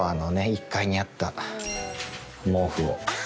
１階にあった毛布を。